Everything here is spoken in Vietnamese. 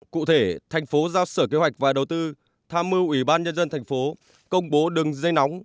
cụ thể thành phố giao sở kế hoạch và đầu tư tham mưu ủy ban nhân dân tp công bố đừng dây nóng